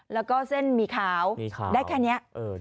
แล้วก็เส้นหมี่ขาวได้แค่นี้